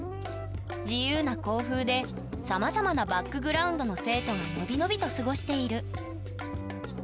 自由な校風でさまざまなバックグラウンドの生徒が伸び伸びと過ごしている。